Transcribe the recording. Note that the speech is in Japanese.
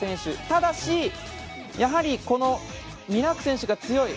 ただしやはり、ミラーク選手が強い。